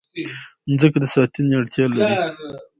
مځکه د ساتنې اړتیا لري.